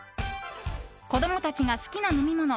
子供たちが好きな飲み物